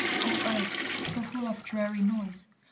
O earth, so full of dreary noise!